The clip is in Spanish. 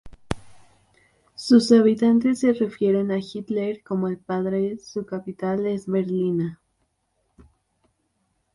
Sus habitantes, se refieren a Hitler como el "Padre" su capital es berlina.